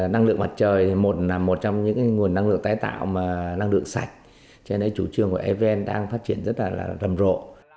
năng lượng mặt trời một là một trong những nguồn năng lượng tái tạo năng lượng sạch cho nên chủ trương của evn đang phát triển rất là rầm rộ